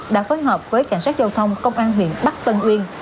đã phối hợp với cảnh sát giao thông công an huyện bắc tân uyên